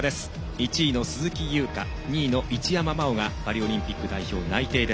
１位の鈴木優花２位の一山麻緒がパリオリンピック代表内定。